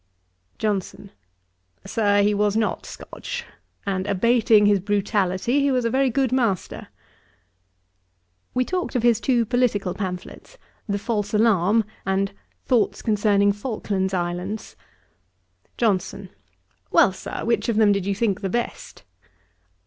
JOHNSON. 'Sir, he was not Scotch; and abating his brutality, he was a very good master.' We talked of his two political pamphlets, The False Alarm, and Thoughts concerning Falkland's Islands. JOHNSON. 'Well, Sir, which of them did you think the best?'